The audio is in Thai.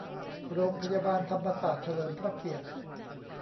โรงพยาบาลธรรมศาสตร์เฉลิมพระเกียรติ